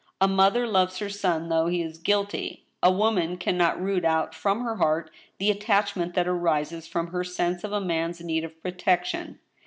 A mother loves her son though he is guilty. A woman can not root out from her heart the attachment that arises from her sense of a man's need of protection.